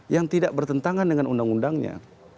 yang tidak bertentangan dengan undang undangnya